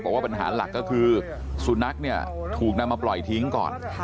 ปัญหาหลักก็คือสุนัขเนี่ยถูกนำมาปล่อยทิ้งก่อน